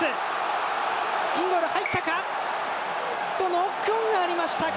ノックオンがありましたか！